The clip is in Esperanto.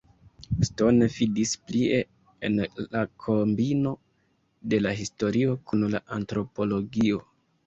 Stone fidis plie en la kombino de la historio kun la antropologio.